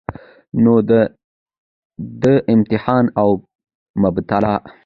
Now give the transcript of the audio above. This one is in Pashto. نو د ده امتحان او مبتلاء